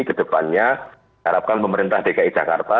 kedepannya harapkan pemerintah dki jakarta